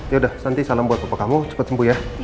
ya udah nanti salam buat bapak kamu cepat sembuh ya